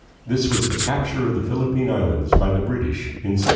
This was the capture of the Philippine Islands by the British in 1762.